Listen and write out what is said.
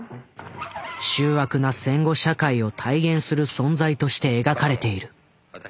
醜悪な戦後社会を体現する存在として描かれている。